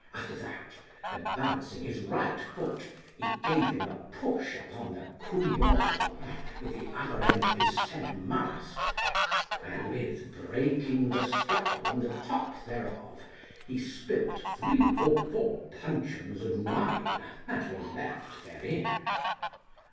After that, advancing his right foot, he gave him a push upon the couillons with the upper end of his said mast, wherewith breaking the scuttle on the top thereof, he spilt three or four puncheons of wine that were left therein.